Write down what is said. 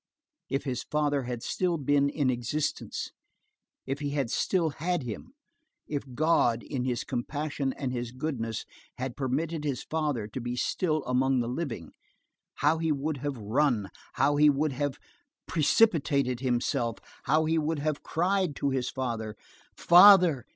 if his father had still been in existence, if he had still had him, if God, in his compassion and his goodness, had permitted his father to be still among the living, how he would have run, how he would have precipitated himself, how he would have cried to his father: "Father!